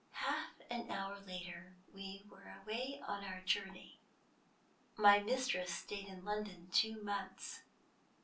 Half an hour later we were away on our journey. My mistress stayed in London two months.